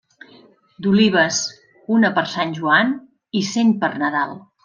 D'olives, una per Sant Joan i cent per Nadal.